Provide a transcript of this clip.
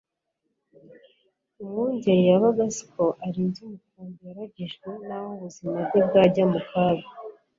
Umwungeri yabaga azi ko arinze umukurubi yaragijwe naho ubuzima bwe bwajya mu kaga.